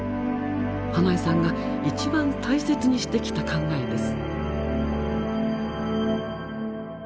英恵さんが一番大切にしてきた考えです。